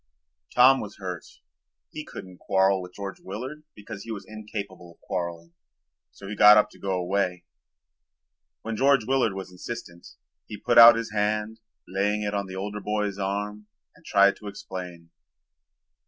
Tom was hurt. He couldn't quarrel with George Willard because he was incapable of quarreling, so he got up to go away. When George Willard was insistent he put out his hand, laying it on the older boy's arm, and tried to explain.